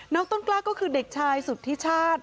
ต้นกล้าก็คือเด็กชายสุธิชาติ